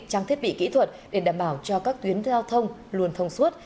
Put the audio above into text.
trang thiết bị kỹ thuật để đảm bảo cho các tuyến giao thông luôn thông suốt